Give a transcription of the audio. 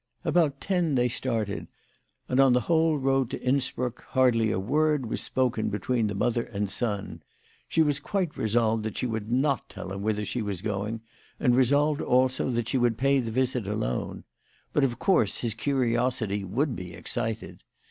About ten they started, and on the whole road to Innsbruck hardly a word was spoken between the mother and son. She was quite resolved that she would not tell him whither she was going, and resolved also that she would pay the visit alone. But, of course, his curiosity would be excited.